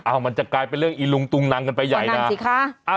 มันจะกลายเป็นเรื่องอีลุงตุงนังกันไปใหญ่นะสิคะ